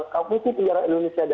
komisi penyelidikan daerah indonesia